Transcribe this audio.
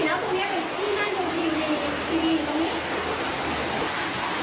น้ำข้างนอกทรัพย์เข้ามาแล้ว